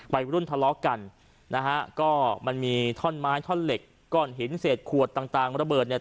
วัยรุ่นทะเลาะกันนะฮะก็มันมีท่อนไม้ท่อนเหล็กก้อนหินเศษขวดต่างต่างระเบิดเนี่ย